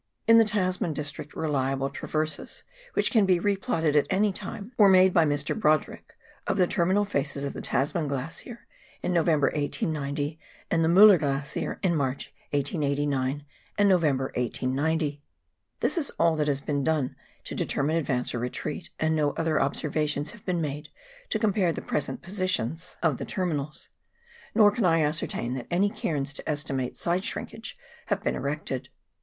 In the Tasman district reliable traverses, which can be re plotted at any time, were made by Mr. Brodrick of the terminal faces of the Tasman Glacier in November, 1890, and the Mueller Glacier in March, 1889, and November, 1890. This is all that has been done here to determine advance or retreat, and no other observations have been made to compare the present positions GLACIER OBSERVATION. 305 of the terminals, nor can I ascertain that any cairns to estimate side shrinkage have been erected.